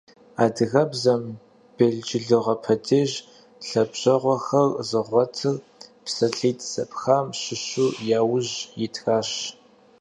Адыгэбзэм белджылыгъэ падеж лъабжьэгъусэхэр зыгъуэтыр псалъитӏ зэпхам щыщу яужь итращ.